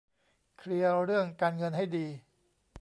เคลียร์เรื่องการเงินให้ดี